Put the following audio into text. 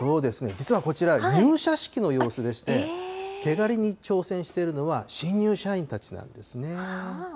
実はこちら、入社式の様子でして、毛刈りに挑戦しているのは、新入社員たちなんですね。